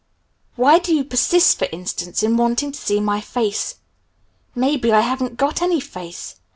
Why do you persist, for instance, in wanting to see my face? Maybe I haven't got any face!